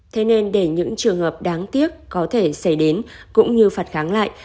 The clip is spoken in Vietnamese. thế nên để những trường hợp đáng tiếc có thể xảy đến cũng như phạt kháng lại